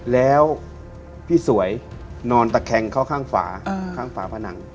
แล้วพี่สวยนอนตะแคงเข้าข้างฝาข้างฝาผนัง